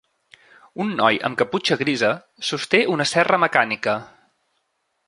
Un noi amb caputxa grisa sosté una serra mecànica.